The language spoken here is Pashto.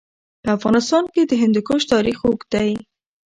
په افغانستان کې د هندوکش تاریخ اوږد دی.